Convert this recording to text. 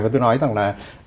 và tôi nói rằng là